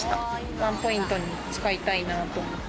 ワンポイントに使いたいなと思って。